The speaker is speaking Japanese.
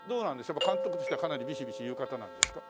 やっぱ監督としてはかなりビシビシ言う方なんですか？